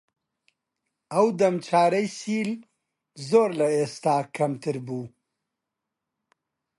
ئەو دەم چارەی سیل زۆر لە ئێستا کەمتر بوو